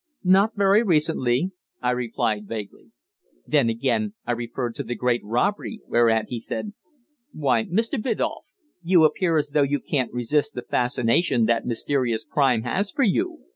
"Not very recently," I replied vaguely. Then again I referred to the great robbery, whereat he said "Why, Mr. Biddulph, you appear as though you can't resist the fascination that mysterious crime has for you!